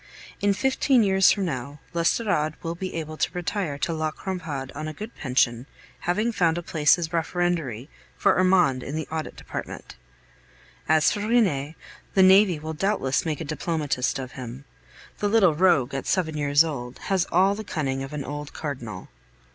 In fifteen years from now, l'Estorade will be able to retire to La Crampade on a good pension, having found a place as referendary for Armand in the Audit Department. As for Rene, the navy will doubtless make a diplomatist of him. The little rogue, at seven years old, has all the cunning of an old Cardinal.